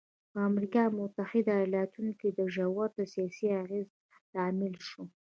په امریکا متحده ایالتونو کې د ژورو سیاسي اغېزو لامل شوی.